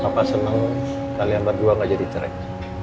papa seneng kalian berdua gak jadi cerek